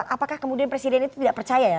apakah kemudian presiden itu tidak percaya ya